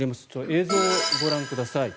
映像をご覧ください。